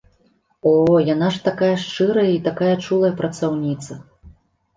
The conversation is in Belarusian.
О, яна ж такая шчырая і такая чулая працаўніца!